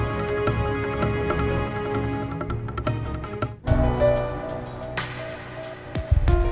ini pasti ada sesuatu